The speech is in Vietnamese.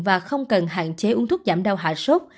và không cần hạn chế uống thuốc giảm đau hạ sốt